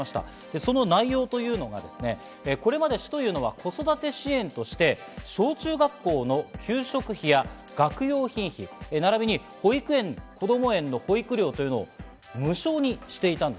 その内容というのが、これまで市というのは子育て支援として小中学校の給食費や学用品費、並びに保育園・こども園の保育料というのを無償にしていたんです。